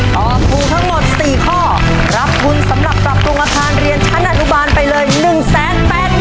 ตอบถูกทั้งหมด๔ข้อรับทุนสำหรับปรับปรุงอาคารเรียนชั้นอนุบาลไปเลย๑๘๐๐๐บาท